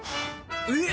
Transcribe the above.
えっ！